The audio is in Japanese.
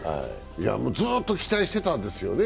ずーっと期待してたんですよね。